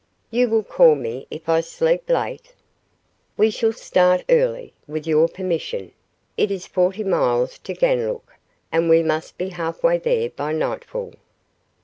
You will call me if I sleep late?" "We shall start early, with your permission. It is forty miles to Ganlook, and we must be half way there by nightfall."